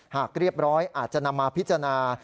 หากเรียบร้อยอาจจะนำมาพิจารณา